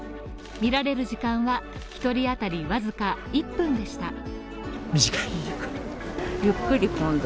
見られる時間は１人当たりわずか１分でした。